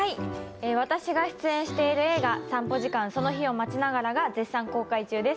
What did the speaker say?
私が出演している映画「散歩時間その日を待ちながら」が絶賛公開中です。